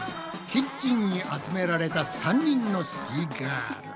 キッチンに集められた３人のすイガール。